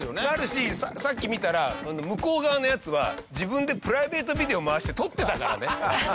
なるしさっき見たら向こう側のヤツは自分でプライベートビデオ回して撮ってたからね。